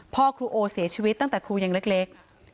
พ่อครูโอเสียชีวิตตั้งแต่ครูยังเล็ก